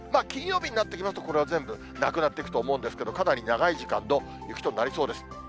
金曜日になってきますと、これ、全部なくなっていくと思うんですけど、かなり長い時間の雪となりそうです。